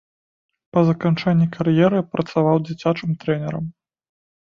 Па заканчэнні кар'еры працаваў дзіцячым трэнерам.